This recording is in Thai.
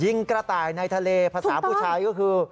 กระต่ายในทะเลภาษาผู้ชายก็คือ